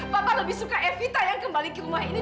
bapak lebih suka evita yang kembali ke rumah ini